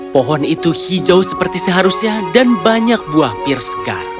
pohon itu hijau seperti seharusnya dan banyak buah pir segar